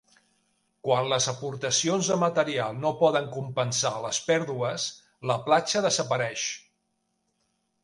Quan les aportacions de material no poden compensar les pèrdues, la platja desapareix.